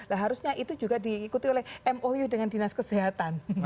nah harusnya itu juga diikuti oleh mou dengan dinas kesehatan